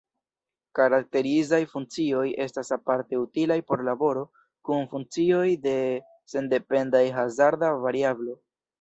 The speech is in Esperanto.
Karakterizaj funkcioj estas aparte utilaj por laboro kun funkcioj de sendependaj hazarda variablo.